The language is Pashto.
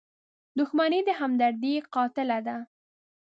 • دښمني د همدردۍ قاتله ده.